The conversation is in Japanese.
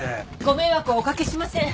ご迷惑はおかけしません。